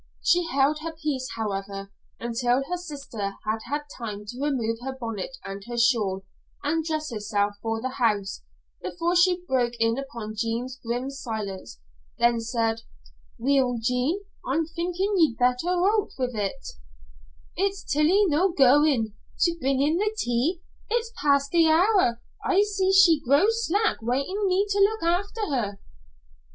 She held her peace, however, until her sister had had time to remove her bonnet and her shawl and dress herself for the house, before she broke in upon Jean's grim silence. Then she said: "Weel, Jean. I'm thinkin' ye'd better oot wi' it." "Is Tillie no goin' to bring in the tea? It's past the hour. I see she grows slack, wantin' me to look after her."